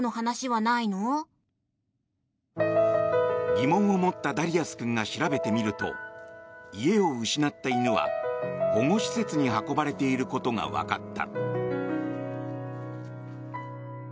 疑問を持ったダリアス君が調べてみると家を失った犬は保護施設に運ばれていることが分かった。